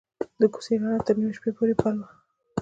د کوڅې رڼا تر نیمې شپې پورې بل وه.